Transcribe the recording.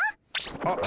あっ！